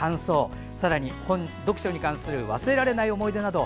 それから読書に関する忘れられない思い出など